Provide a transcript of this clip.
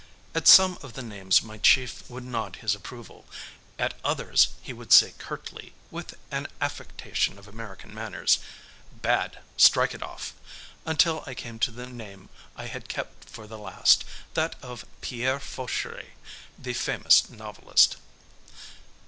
At some of the names my chief would nod his approval, at others he would say curtly, with an affectation of American manners, "Bad; strike it off," until I came to the name I had kept for the last, that of Pierre Fauchery, the famous novelist.